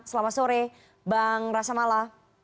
selamat sore bang rasamala